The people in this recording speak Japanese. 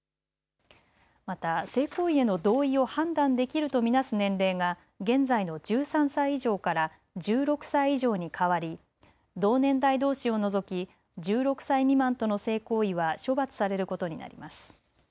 また性行為への同意を判断できると見なす年齢が現在の１３歳以上から１６歳以上に変わり、同年代どうしを除き１６歳未満との性行為は処罰されることになります。